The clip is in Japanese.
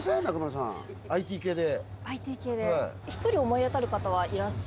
ＩＴ系で。